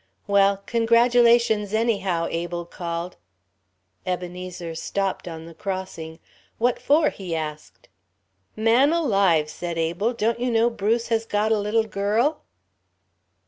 "Well congratulations anyhow!" Abel called. Ebenezer stopped on the crossing. "What for?" he asked. "Man alive," said Abel, "don't you know Bruce has got a little girl?"